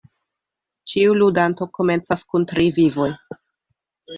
Ĉiu ludanto komencas kun tri vivoj.